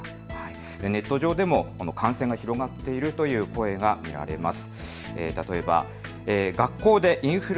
ネット上でも感染が広まっているという声が見られます。